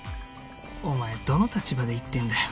お前どの立場で言ってんだよ？